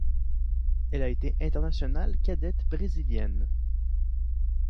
Elle a été internationale cadette brésilienne.